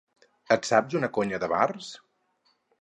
Et saps una conya de bars?